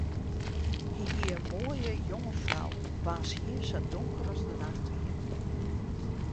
Hy hie in moaie, jonge frou waans hier sa donker as de nacht wie.